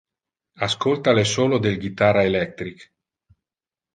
Ascolta le solo del guitarra electric!